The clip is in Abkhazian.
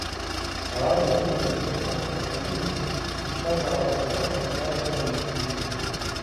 Ауаа ирыздырӡом рҟәыхк ахьынрыжьыз рыԥсҭазаара аҟәырҷахакгьы адкыланы ишынрыжьуа.